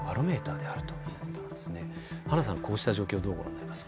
はなさんはこうした状況をどうご覧になりますか。